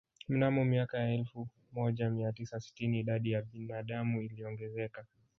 Mnamo miaka ya elfu moja mia tisa sitini idadi ya binadamu iliongezeka